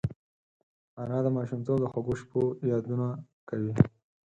انا د ماشومتوب د خوږو شپو یادونه کوي